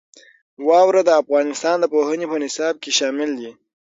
واوره د افغانستان د پوهنې په نصاب کې شامل دي.